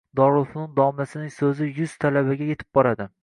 Dorilfunun domlasining So’zi yuz talabaga yetib boradi.